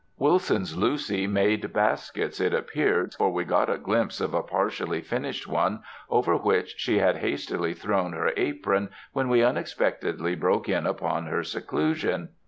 Wilson's Lucy made baskets, it ap peared, for we got a glimpse of a partially finished one over which she had hastily thrown her apron when we unexpectedly broke in upon her seclusion.